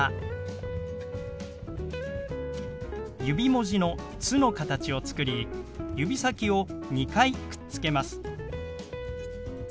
指文字の「つ」の形を作り指先を２回くっつけます。